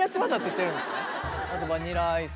あとバニラアイス。